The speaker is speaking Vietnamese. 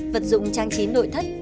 vật dụng trang trí nội thất